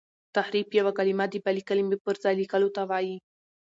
تحريف یو کلمه د بلي کلمې پر ځای لیکلو ته وايي.